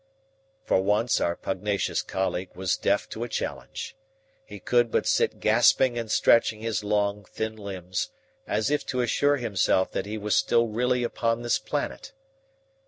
For once our pugnacious colleague was deaf to a challenge. He could but sit gasping and stretching his long, thin limbs, as if to assure himself that he was still really upon this planet.